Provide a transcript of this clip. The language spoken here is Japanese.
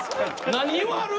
何言わはる？